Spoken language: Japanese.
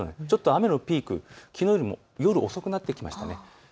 雨のピークきのうよりも夜遅くなってきました。